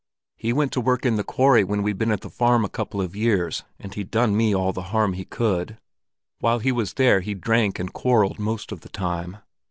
"He went to work in the quarry when we'd been at the farm a couple of years and he'd done me all the harm he could. While he was there, he drank and quarreled most of the time.